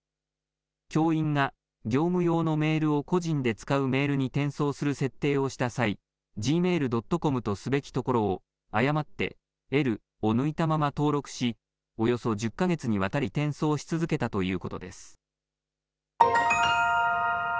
教員が業務用のメールを個人で使うメールに転送する設定をした際、ｇｍａｉｌ．ｃｏｍとすべきところを誤ってｌを抜いたまま登録し、およそ１０か月にわたり転送し続けたということです。